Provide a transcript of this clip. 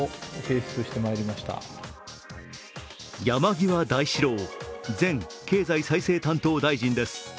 山際大志郎前経済再生担当大臣です。